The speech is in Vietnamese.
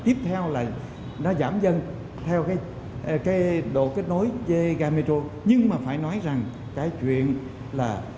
tiếp theo là nó giảm dần theo cái độ kết nối ga metro nhưng mà phải nói rằng cái chuyện là